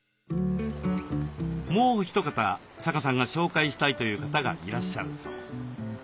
もうお一方阪さんが紹介したいという方がいらっしゃるそう。